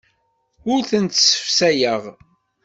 Ur tent-ssefsayeɣ.